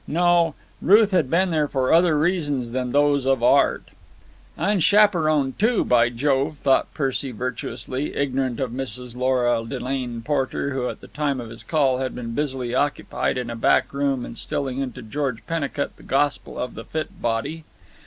No, Ruth had been there for other reasons than those of art. "Unchaperoned, too, by Jove!" thought Percy virtuously, ignorant of Mrs. Lora Delane Porter, who at the time of his call, had been busily occupied in a back room instilling into George Pennicut the gospel of the fit body.